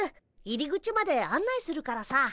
入り口まで案内するからさ。